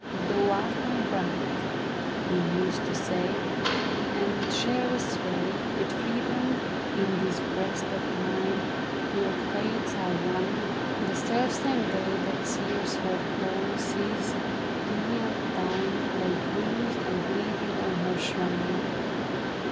^' Thou art my bride," he used to say ;" And sharest sway With freedom in this breast of mine ; Your fates are one ; the self same day That sees her fall, sees thee and thine Laid bruised and bleeding on her shrine.'